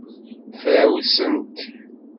Frawsent.